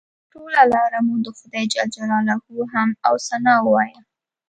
پر ټوله لاره مو د خدای جل جلاله حمد او ثنا ووایه.